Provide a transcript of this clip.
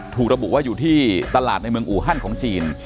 ถูกระบุว่าอยู่ที่ตลาดในเมืองอูฮันของจีน